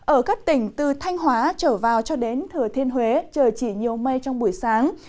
ở các tỉnh từ thanh hóa trở vào cho đến thừa thiên huế trời chỉ nhiều mây trong buổi sáng